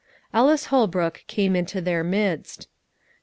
Ellis Holbrook came into their midst.